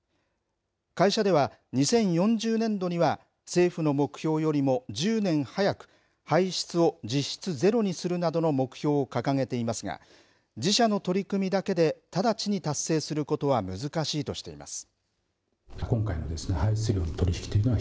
会社では、２０４０年度には、政府の目標よりも１０年早く、排出を実質ゼロにするなどの目標を掲げていますが、自社の取り組みだけで直ちに達成することは難しいとしています。